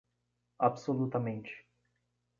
Absolutamente